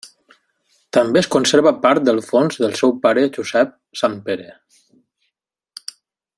També es conserva part del fons del seu pare Josep Sant Pere.